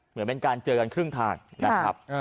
เหมือนเป็นการเจอกันครึ่งทางนะครับ